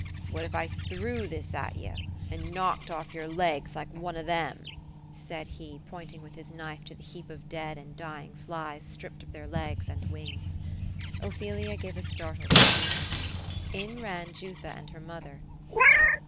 ''What if I threw this at ye, and knocked off your legs like ore of them ?" said he, pointing with his knife to the heap of dead and dying flies stripped of their legs and wings. Ophelia gave a startled scream. In ran Jutha and her mother.